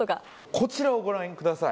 こちらをご覧ください